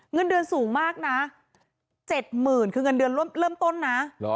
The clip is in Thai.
เงินเดือนสูงมากนะ๗๐๐๐คือเงินเดือนเริ่มต้นนะ